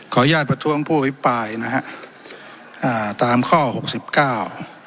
อนุญาตประท้วงผู้อภิปรายนะฮะอ่าตามข้อหกสิบเก้า